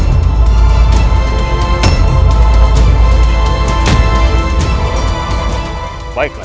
tidak ada jalan lain lagi